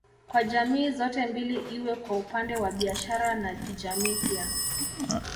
Kwa jamii zote mbili iwe kwa upande wa biashara na kijamii pia